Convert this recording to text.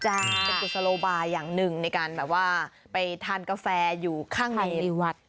เป็นกุศลโลบายาร์อย่างหนึ่งในการไปทานกาแฟอยู่ข้างเหนพ